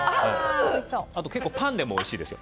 結構パンでもおいしいですよ。